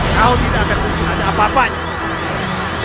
kau tidak akan punya ada apa apanya